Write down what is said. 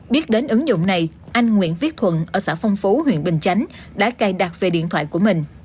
biết đến ứng dụng này anh nguyễn viết thuận ở xã phong phú huyện bình chánh đã cài đặt về điện thoại của mình